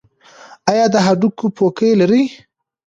ایا د هډوکو پوکي لرئ؟